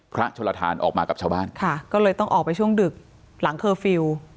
โชลทานออกมากับชาวบ้านค่ะก็เลยต้องออกไปช่วงดึกหลังเคอร์ฟิลล์